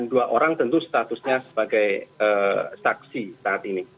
jadi memang tentu statusnya sebagai saksi saat ini